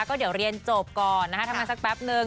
ก็เดี๋ยวเรียนจบก่อนนะคะทำงานสักแป๊บนึง